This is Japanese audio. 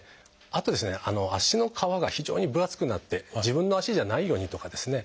あと足の皮が非常に分厚くなって自分の足じゃないようにとかですね